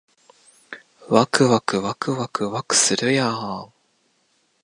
わくわくわくわくわくするやーん